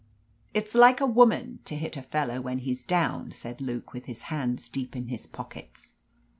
"It's like a woman to hit a fellow when he's down," said Luke, with his hands deep in his pockets.